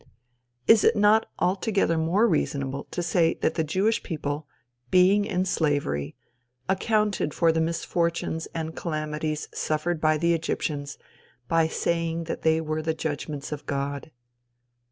Is it not altogether more reasonable to say that the Jewish people, being in slavery, accounted for the misfortunes and calamities, suffered by the Egyptians, by saying that they were the judgments of God?